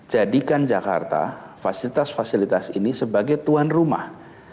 jadikan jakarta fasilitas fasilitas ini sebagai tuan rumah